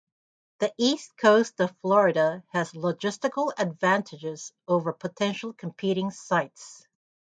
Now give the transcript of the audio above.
The east coast of Florida has logistical advantages over potential competing sites.